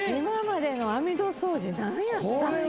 今までの網戸掃除なんやったんよ。